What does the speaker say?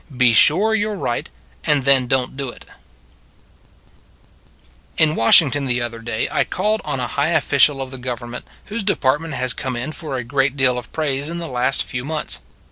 BE SURE YOU RE RIGHT AND THEN DON T DO IT IN Washington the other day I called on a high official of the Government, whose department has come in for a great deal of praise in the last few months.